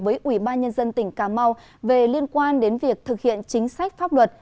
với ủy ban nhân dân tỉnh cà mau về liên quan đến việc thực hiện chính sách pháp luật